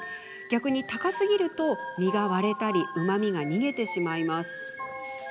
逆に高すぎると身が割れたりうまみが逃げてしまいます。